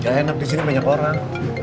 gak enak di sini banyak orang